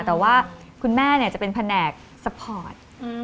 แต่ว่าคุณแม่จะเป็นแผนกซัพพอร์ต